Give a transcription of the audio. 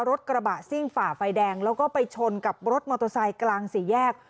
รถกระบะซิ่งฝ่าไฟแดงแล้วก็ไปชนกับรถมอเตอร์ไซค์กลางสี่แยก